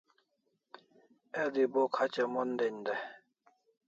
El'i bo khacha mon den dai